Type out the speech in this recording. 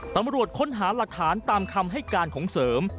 ตำรวจค้นหาหลักฐานตามคำให้การของเสริม